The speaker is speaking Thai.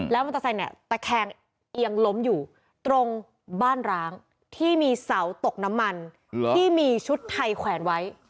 มอเตอร์ไซค์เนี่ยตะแคงเอียงล้มอยู่ตรงบ้านร้างที่มีเสาตกน้ำมันที่มีชุดไทยแขวนไว้